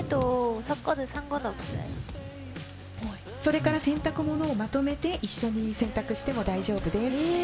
それから洗濯物をまとめて一緒に洗濯しても大丈夫です。